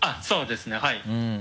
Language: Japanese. そうですねはい。